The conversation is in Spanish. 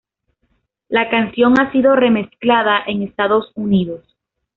La canción ha sido remezclada en Estados Unidos.